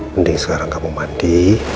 mending sekarang kamu mandi